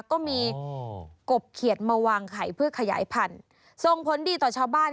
ก็มีกบเขียดมาวางไข่เพื่อขยายพันธุ์ส่งผลดีต่อชาวบ้าน